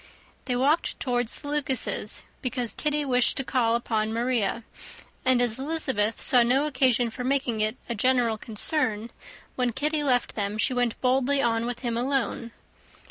They walked towards the Lucases', because Kitty wished to call upon Maria; and as Elizabeth saw no occasion for making it a general concern, when Kitty left them she went boldly on with him alone.